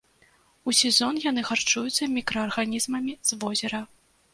У сезон яны харчуюцца мікраарганізмамі з возера.